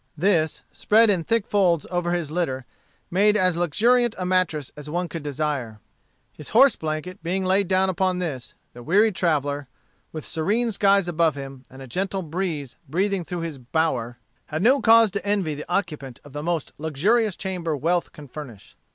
This, spread in thick folds over his litter, made as luxuriant a mattress as one could desire. His horse blanket being laid down upon this, the weary traveller, with serene skies above him and a gentle breeze breathing through his bower, had no cause to envy the occupant of the most luxurious chamber wealth can furnish.